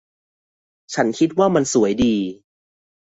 ฉันคิดว่ามันสวยดี